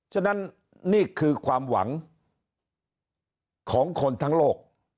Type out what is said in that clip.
ฉะนั้นนี่คือความหวังของคนทั้งโลก